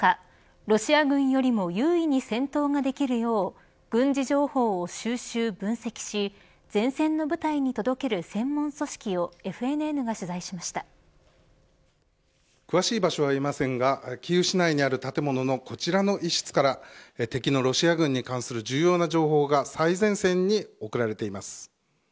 ロシア軍よりも優位に戦闘ができるよう軍事情報を収集分析し前線の部隊に届ける専門組織を詳しい場所は言えませんがキーウ市内にある建物のこちらの一室から敵のロシア軍に関する重要な情報が最前線に送られています。